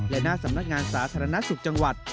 และหน้าสำนักงานสาธารณสุขจังหวัด